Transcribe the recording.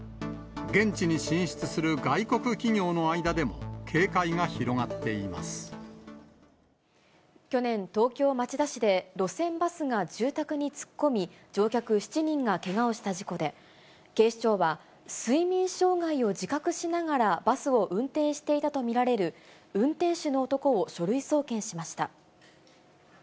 現地に進出する外国企業の間でも去年、東京・町田市で路線バスが住宅に突っ込み、乗客７人がけがをした事故で、警視庁は睡眠障害を自覚しながらバスを運転していたと見られる運転手の男を書類送検しました。